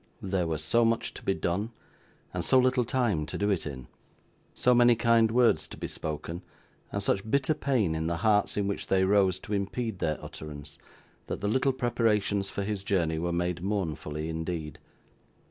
There was so much to be done, and so little time to do it in; so many kind words to be spoken, and such bitter pain in the hearts in which they rose to impede their utterance; that the little preparations for his journey were made mournfully indeed.